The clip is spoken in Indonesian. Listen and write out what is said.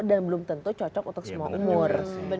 belum tentu cocok untuk semua umur